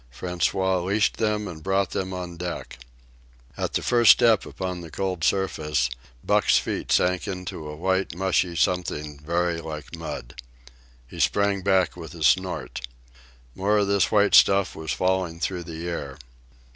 François leashed them and brought them on deck. At the first step upon the cold surface, Buck's feet sank into a white mushy something very like mud. He sprang back with a snort. More of this white stuff was falling through the air.